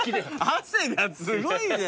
汗がすごいね！